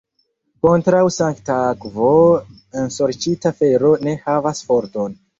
Kontraŭ sankta akvo ensorĉita fero ne havas forton.